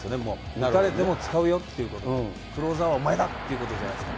打たれても使うよっていうことで、クローザーはお前だということじゃないですか。